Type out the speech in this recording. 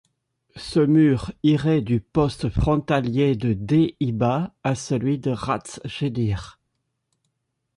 Ce mur irait du poste frontalier de Dehiba à celui de Ras Jedir.